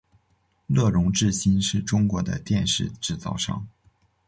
乐融致新是中国的电视制造商。